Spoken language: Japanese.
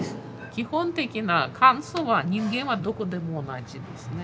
基本的な感想は人間はどこでも同じですね。